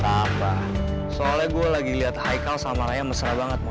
tp bang zaryf ini kuil ketheirani lo